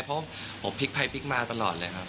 เพราะผมพลิกภัยพลิกมาตลอดเลยครับ